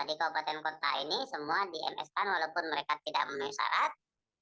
di kabupaten kota ini semua di ms kan walaupun mereka tidak menuhi syarat